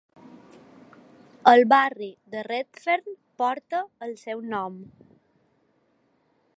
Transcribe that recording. El barri de Redfern porta el seu nom.